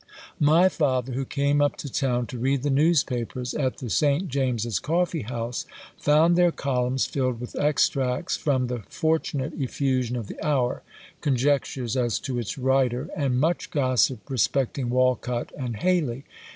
My father, who came up to town to read the newspapers at the St. James's Coffee house, found their columns filled with extracts from the fortunate effusion of the hour, conjectures as to its writer, and much gossip respecting Wolcot and Hayley.